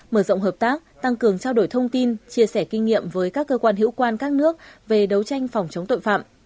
mở rộng hợp tác tăng cường trao đổi thông tin chia sẻ kinh nghiệm với các cơ quan hữu quan các nước về đấu tranh phòng chống tội phạm